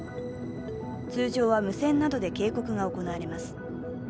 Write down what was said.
通常は無線などで警告が行われます。